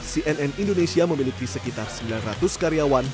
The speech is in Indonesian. cnn indonesia memiliki sekitar sembilan ratus karyawan